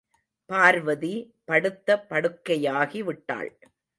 பார்வதி படுத்த படுக்கையாகி விட்டாள்.